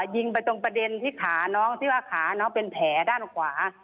ยิงไปตรงประเด็นที่ขาน้องที่ว่าขาน้องเป็นแผลด้านขวา